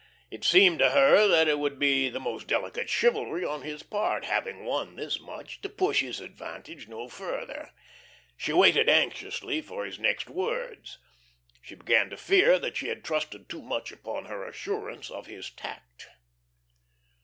It seemed to her that it would be the most delicate chivalry on his part having won this much to push his advantage no further. She waited anxiously for his next words. She began to fear that she had trusted too much upon her assurance of his tact.